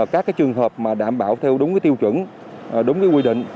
các trường hợp đảm bảo theo đúng tiêu chuẩn đúng quy định